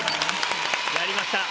やりました。